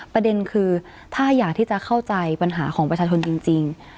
ประเด็นคือถ้าอยากที่จะเข้าใจปัญหาของประชาชนจริง